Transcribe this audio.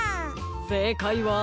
せいかいは。